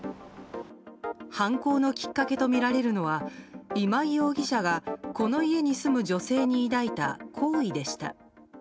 犯行のきっかけとみられるのは今井容疑者がこの家に住む女性に抱いた好意でした。